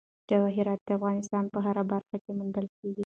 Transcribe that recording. جواهرات د افغانستان په هره برخه کې موندل کېږي.